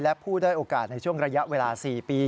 และผู้ด้อยโอกาสในช่วงระยะเวลา๔ปี